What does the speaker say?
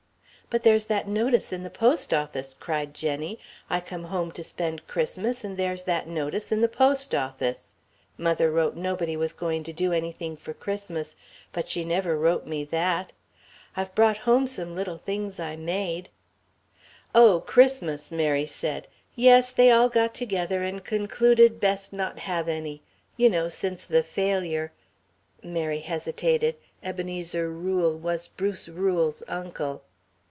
"But there's that notice in the post office," cried Jenny. "I come home to spend Christmas, and there's that notice in the post office. Mother wrote nobody was going to do anything for Christmas, but she never wrote me that. I've brought home some little things I made " "Oh Christmas!" Mary said. "Yes, they all got together and concluded best not have any. You know, since the failure " Mary hesitated Ebenezer Rule was Bruce Rule's uncle.